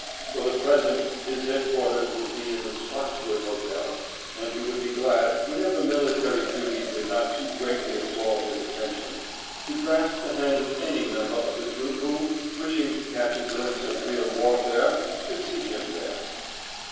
For the present his head quarters would be in the Spottswood Hotel, and he would be glad, whenever military duty did not too greatly absorb his attention, to grasp the hand of any member of the troop who, wishing to catch a glimpse of real warfare, should seek him there.